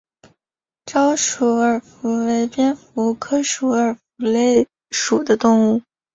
沼鼠耳蝠为蝙蝠科鼠耳蝠属的动物。